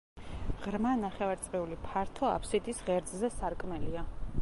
ღრმა ნახევარწრიული ფართო აფსიდის ღერძზე სარკმელია.